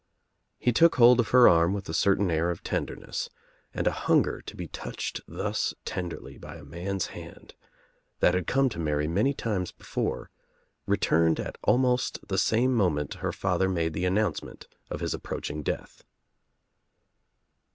He took hold of her arm with a certain air of tender ness, and a hunger to be touched thus tenderly by a uin's band, that had come to Mary many times before, 66 THE TRIUMPH OF THE EGG returned at almost the same moment her father made the announcement of his approaching death.